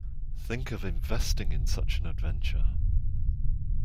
Think of investing in such an adventure.